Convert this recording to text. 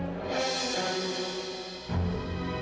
selamat malam tante